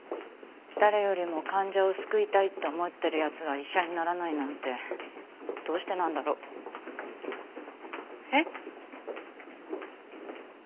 誰よりも患者を救いたいって思ってるやつが医者にならないなんてどうしてなんだろ？えっ？